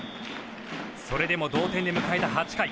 それでも同点で迎えた８回。